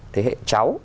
thế hệ cháu